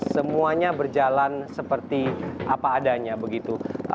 semuanya berjalan seperti apa adanya begitu